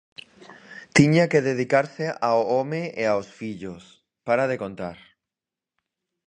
Tiña que dedicarse ao home e aos fillos, para de contar.